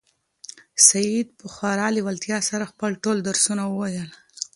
سعید په خورا لېوالتیا سره خپل ټول درسونه وویل.